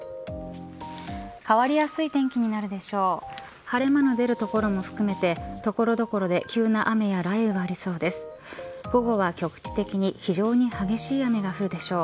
変わりやすい天気になるでしょう。